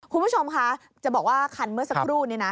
คุณผู้ชมคะจะบอกว่าคันเมื่อสักครู่นี้นะ